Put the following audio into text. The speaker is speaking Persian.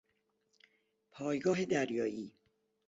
پایگاه دریایی